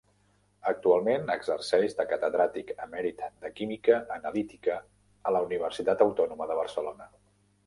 Actualment exerceix de catedràtic emèrit de química analítica de la Universitat Autònoma de Barcelona.